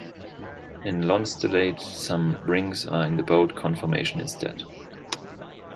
In lonsdaleite, some rings are in the boat conformation instead.